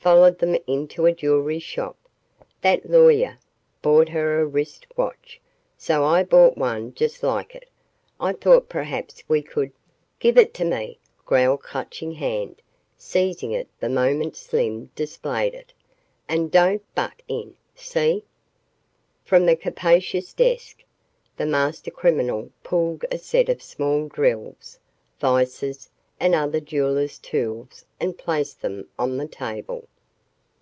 Followed them into a jewelry shop. That lawyer bought her a wrist watch. So I bought one just like it. I thought perhaps we could " "Give it to me," growled Clutching Hand, seizing it the moment Slim displayed it. "And don't butt in see?" From the capacious desk, the master criminal pulled a set of small drills, vices, and other jeweler's tools and placed them on the table.